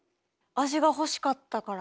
味が欲しかったから？